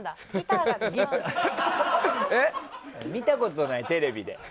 見たことない、テレビで。